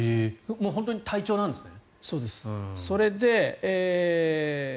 もう本当に体調なんですね？